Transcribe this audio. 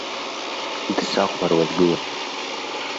Дсахәмаруа дгылан.